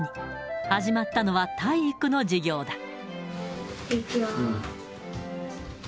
始まったのは、体育の授いくよ―。